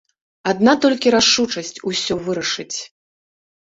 Адна толькі рашучасць усё вырашыць.